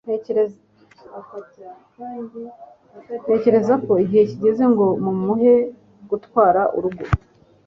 ntekereza ko igihe kigeze ngo mumuhe gutwara urugo